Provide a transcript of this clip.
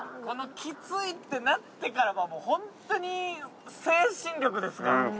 このキツイってなってからホントに精神力ですから。